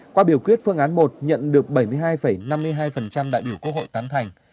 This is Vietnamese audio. qua biểu quyết phương án một nhận được bảy mươi hai năm mươi hai đại biểu quốc hội tán thành